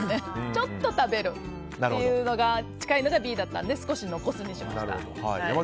ちょっと食べるというのが近いのがＢだったので少し残すにしました。